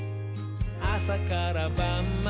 あさからばんまで」